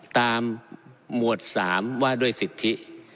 ตามหมวดสามว่าด้วยสิทธิ